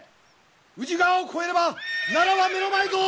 宇治川を越えれば奈良は目の前ぞ！